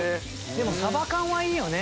でもさば缶はいいよね。